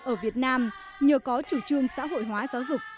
ở việt nam nhờ có chủ trương xã hội hóa giáo dục